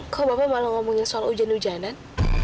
kenapa bapak malah mengatakan tentang hujan hujanan